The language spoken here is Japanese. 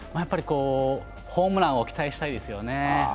ホームランを期待したいですよね。